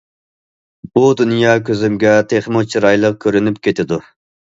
بۇ دۇنيا كۆزۈمگە تېخىمۇ چىرايلىق كۆرۈنۈپ كېتىدۇ.